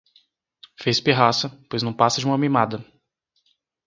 Fez pirraça, pois não passa de uma mimada